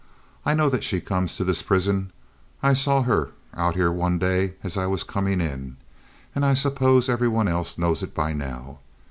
I know that she comes to this prison. I saw her out here one day as I was coming in, and I suppose every one else knows it by now.